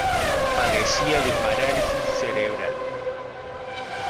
Padecía de parálisis cerebral.